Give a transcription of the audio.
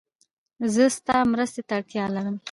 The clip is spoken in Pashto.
زه ستا مرسته ته اړتیا لرم.